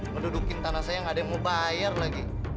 mendudukin tanah saya nggak ada yang mau bayar lagi